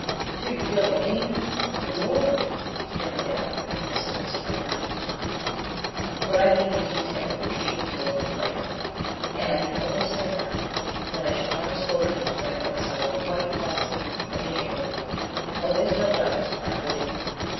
"Do you really mean Good Lord!" stammered the author as soon as he could find his tongue. "What I mean in detail will keep till a little later, and I need only say now that I should not have spoken in this way unless I were quite positive of being able to help you. Oh, there's no doubt as to that, believe me.